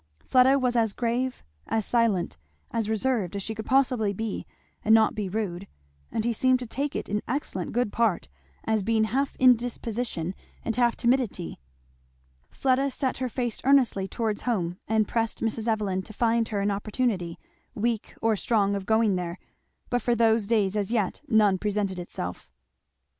Fleda was as grave, as silent, as reserved, as she could possibly be and not be rude; but he seemed to take it in excellent good part, as being half indisposition and half timidity. Fleda set her face earnestly towards home, and pressed Mrs. Evelyn to find her an opportunity, weak or strong, of going there; but for those days as yet none presented itself. Mr.